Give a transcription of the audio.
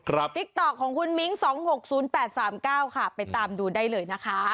ติ๊กต๊อกของคุณมิ้ง๒๖๐๘๓๙ค่ะไปตามดูได้เลยนะคะ